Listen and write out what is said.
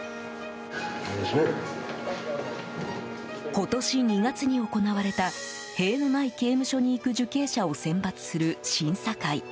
今年２月に行われた塀のない刑務所に行く受刑者を選抜する審査会。